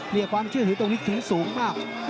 เนี่ยความเชื่อถือทุกวันนี้ถือสูงมาก